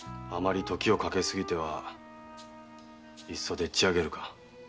あまり時をかけすぎてはいっそでっちあげるか。